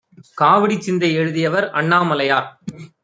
காவடிச்சிந்தை எழுதியவர் அண்ணாமலையார்